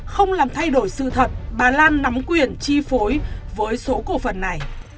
không làm thay đổi sự thật bà lan nắm quyền chi phối với số cổ phần này